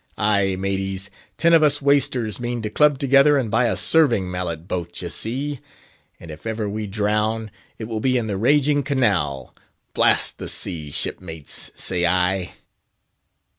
Ay, maties, ten of us Waisters mean to club together and buy a serving mallet boat, d'ye see; and if ever we drown, it will be in the 'raging canal!' Blast the sea, shipmates! say I."